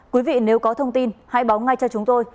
quý vị nếu có thông tin hãy báo ngay cho chúng tôi